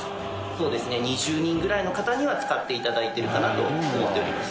そうですね２０人ぐらいの方には使って頂いてるかなと思っております。